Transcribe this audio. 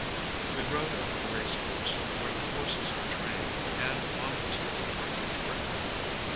We rode over the race course, where the horses are trained, and on to the partridge ground.